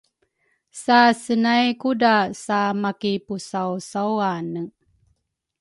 Sa senay kudra samakipusausawane